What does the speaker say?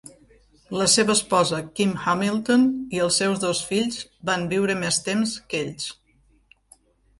La seva esposa, Kim Hamilton, i els seus dos fills van viure més temps que ells.